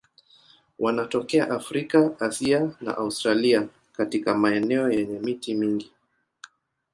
Wanatokea Afrika, Asia na Australia katika maeneo yenye miti mingi.